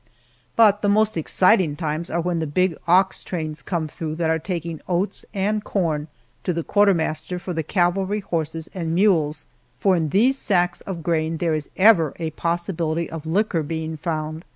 But the most exciting times are when the big ox trains come along that are taking oats and corn to the quartermaster for the cavalry horses and mules, for in these sacks of grain there is ever a possibility of liquor being found.